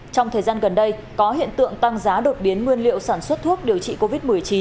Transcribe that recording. trong thời gian gần đây có hiện tượng tăng giá đột biến nguyên liệu sản xuất thuốc điều trị covid một mươi chín